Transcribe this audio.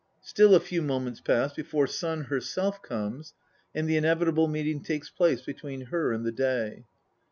Still a few moments pass before Sun herself comes, and the inevitable meeting takes place between her and the Day.